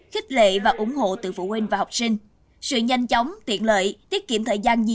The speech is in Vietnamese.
khích lệ và ủng hộ từ phụ huynh và học sinh sự nhanh chóng tiện lợi tiết kiệm thời gian di